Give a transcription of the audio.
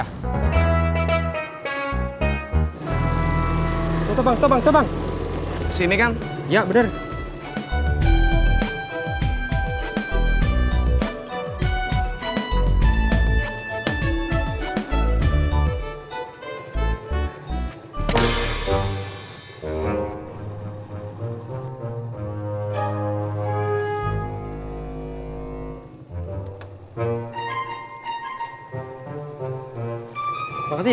hai sabar sabar sabar sini kan ya aktivir